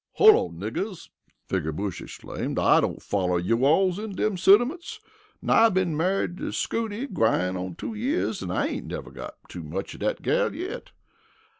"Hol' on, niggers!" Figger Bush exclaimed. "I don't foller you alls in dem sentiments. Now I been married to Scootie gwine on two year an' I ain't never got too much of dat gal yit.